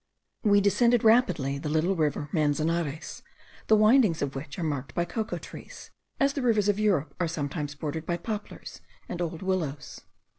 We descended rapidly the little river Manzanares, the windings of which are marked by cocoa trees, as the rivers of Europe are sometimes bordered by poplars and old willows.